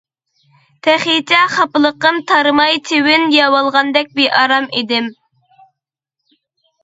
تېخىچە خاپىلىقىم تارىماي چىۋىن يەۋالغاندەك بىئارام ئىدىم.